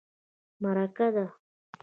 _مرکه ده.